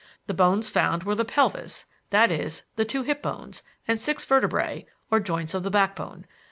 The bones found were the pelvis that is, the two hip bones and six vertebrae, or joints of the backbone.